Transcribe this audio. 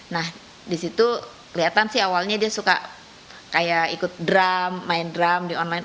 nah disitu kelihatan sih awalnya dia suka kayak ikut drum main drum di online